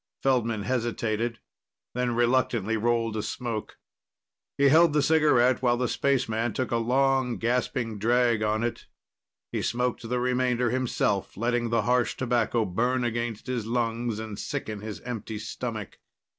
Feldman hesitated, then reluctantly rolled a smoke. He held the cigarette while the spaceman took a long, gasping drag on it. He smoked the remainder himself, letting the harsh tobacco burn against his lungs and sicken his empty stomach.